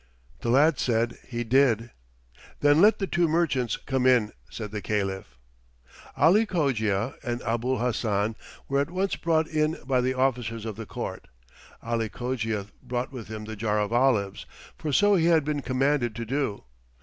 The lad said he did. "Then let the two merchants come in," said the Caliph. Ali Cogia and Abul Hassan were at once brought in by the officers of the court. Ali Cogia brought with him the jar of olives, for so he had been commanded to do.